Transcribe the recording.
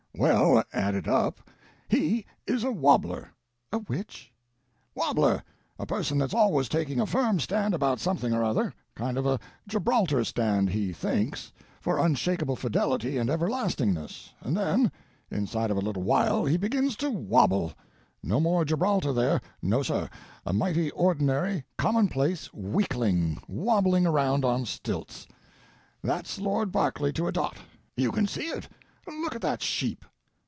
"Well, added up, he is a wobbler." "A which?" "Wobbler. A person that's always taking a firm stand about something or other—kind of a Gibraltar stand, he thinks, for unshakable fidelity and everlastingness—and then, inside of a little while, he begins to wobble; no more Gibraltar there; no, sir, a mighty ordinary commonplace weakling wobbling around on stilts. That's Lord Berkeley to a dot, you can see it—look at that sheep!